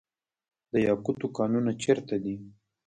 د یاقوتو کانونه چیرته دي؟